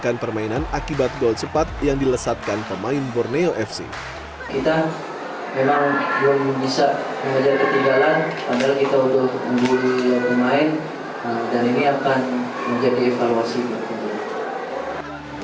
kemenangan ini membuat borneo fc melesat keurutan keempat klasemen sementara dengan tiga belas poin